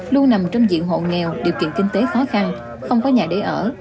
luôn nằm trong diện hộ nghèo điều kiện kinh tế khó khăn không có nhà để ở